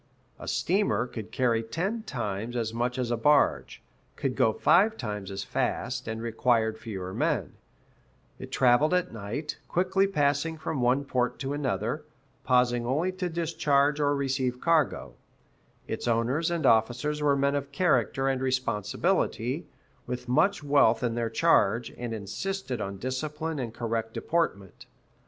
A steamer could carry ten times as much as a barge, could go five times as fast, and required fewer men; it traveled at night, quickly passing from one port to another, pausing only to discharge or receive cargo; its owners and officers were men of character and responsibility, with much wealth in their charge, and insisted on discipline and correct deportment.